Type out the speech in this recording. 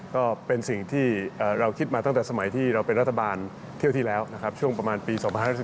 ก็เป็นสิ่งที่เราคิดมาตั้งแต่สมัยที่เราเป็นรัฐบาลเที่ยวที่แล้วนะครับช่วงประมาณปี๒๕๔